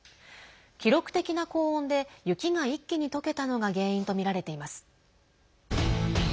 記録的な高温で雪が一気にとけたのが原因とみられています。